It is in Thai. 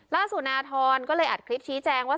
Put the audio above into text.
ล่าสุดนาธรก็เลยอัดคลิปชี้แจงว่า